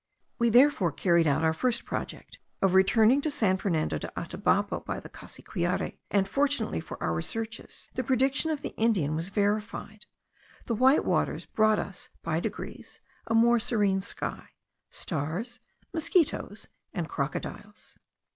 We therefore carried out our first project of returning to San Fernando de Atabapo by the Cassiquiare; and, fortunately for our researches, the prediction of the Indian was verified. The white waters brought us by degrees a more serene sky, stars, mosquitos, and crocodiles.